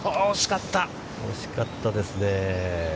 惜しかったですね。